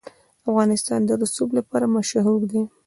افغانستان د رسوب لپاره مشهور دی.